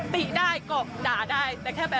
ตีได้กบด่าได้